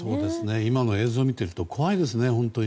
今の映像を見てると怖いですね。